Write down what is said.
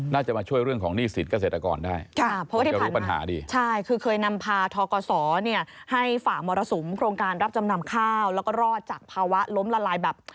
น่าจะมาช่วยเรื่องของหนี้สิทธิ์เกษตรกรได้